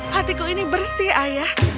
hatiku ini bersih ayah